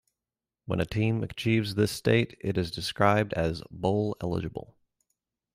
When a team achieves this state, it is described as "bowl-eligible".